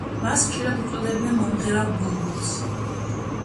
მას ხშირად უწოდებდნენ მომღერალ „ბულბულს“.